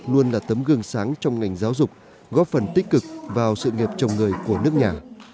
luôn là tấm gương sáng trong ngành giáo dục góp phần tích cực vào sự nghiệp chồng người của nước nhà